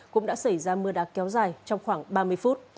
cũng đã xảy ra mưa đá kéo dài trong khoảng ba mươi phút